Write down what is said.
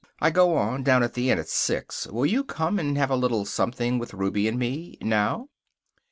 I go on down at the Inn at six. Will you come and have a little something with Ruby and me? Now?"